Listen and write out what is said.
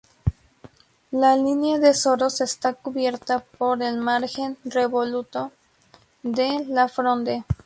La línea de soros está cubierta por el margen revoluto de la fronde.